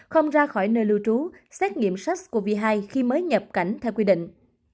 không ra khỏi nơi lưu trú xét nghiệm sars cov hai khi mới nhập cảnh theo quy định